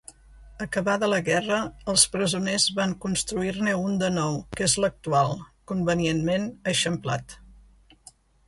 Acabada la guerra els presoners van construir-ne un de nou que és l'actual, convenientment eixamplat.